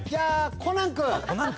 コナン君？